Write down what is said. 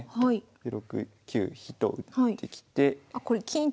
で６九飛と打ってきて。